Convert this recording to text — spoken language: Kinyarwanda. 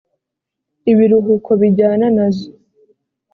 ibiruhuko bijyana nazo